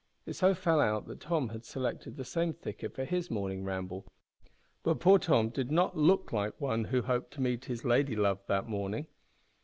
It so fell out that Tom had selected the same thicket for his morning ramble. But poor Tom did not look like one who hoped to meet with his lady love that morning.